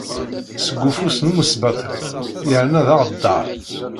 Seg ufus n umesbaṭli yerna d aɣeddar!